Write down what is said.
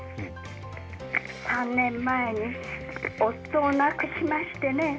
３年前に夫を亡くしましてね